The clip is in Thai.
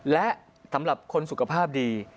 และสำหรับคนสุขภาพดี